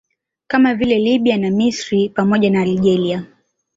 Kama vile Lbya na Misri pamoja na Algeria